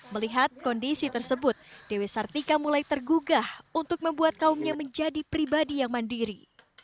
melihat kondisi tersebut dewi sartika mulai tergugah untuk membuat kaumnya menjadi pribadi yang mandiri